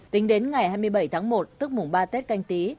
tính đến ngày hai mươi bảy tháng một tức mùng ba tết canh tí